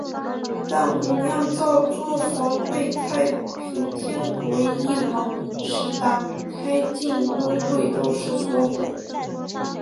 但古酿造作房被太平天国翼王石达开进攻贵州时所毁。